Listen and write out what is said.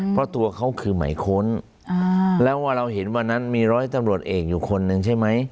เพราะตัวเขาคือหมายค้นแล้วว่าเราเห็นวันนั้นมีร้อยตำรวจเอกอยู่คนหนึ่งใช่ไหม